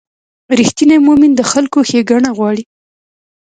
رښتینی مؤمن د خلکو ښېګڼه غواړي.